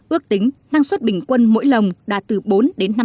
ước tính năng suất bình quân mỗi lồng đạt từ bốn đến năm mươi